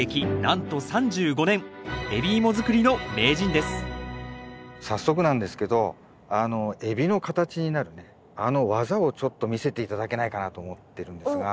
海老芋作りの名人です早速なんですけどあの海老の形になるねあの技をちょっと見せて頂けないかなと思ってるんですが。